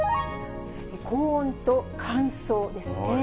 高温と乾燥ですね。